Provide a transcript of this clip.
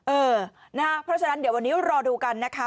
เพราะฉะนั้นเดี๋ยววันนี้รอดูกันนะคะ